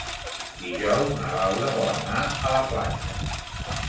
Dijous na Laura vol anar a la platja.